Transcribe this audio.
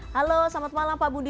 halo selamat malam pak budi